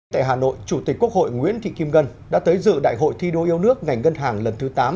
tại hà nội chủ tịch quốc hội nguyễn thị kim ngân đã tới dự đại hội thi đua yêu nước ngành ngân hàng lần thứ tám